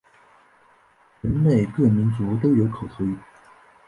人类各民族都有口头语。